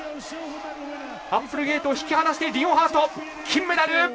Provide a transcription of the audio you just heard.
アップルゲイトを引き離してリオンハート金メダル！